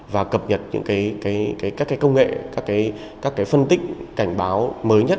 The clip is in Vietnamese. và cập nhật những các công nghệ các phân tích cảnh báo mới nhất